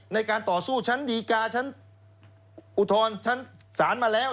ในการต่อสู้ฉันดีกาฉันอุทธรณ์ฉันสารมาแล้ว